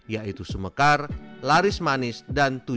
yaitu sumekar laris manis dan tujuh